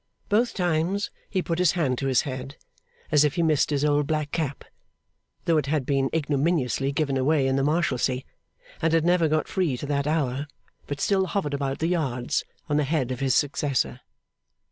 Both times, he put his hand to his head as if he missed his old black cap though it had been ignominiously given away in the Marshalsea, and had never got free to that hour, but still hovered about the yards on the head of his successor.